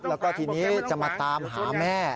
แล้วก็ทีนี้จะมาตามหาแม่